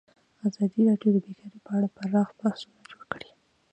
ازادي راډیو د بیکاري په اړه پراخ بحثونه جوړ کړي.